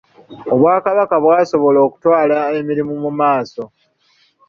Obwakabaka bwasobola okutwala emirimu mu maaso